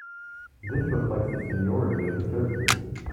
This reflects the seniority of the services.